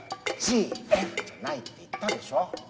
ＧＦじゃないって言ったでしょ。